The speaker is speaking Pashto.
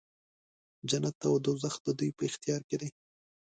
جنت او دوږخ د دوی په اختیار کې دی.